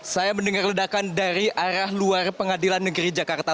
saya mendengar ledakan dari arah luar pengadilan negeri jakarta